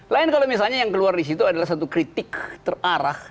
lain kalau misalnya yang keluar di situ adalah satu kritik terarah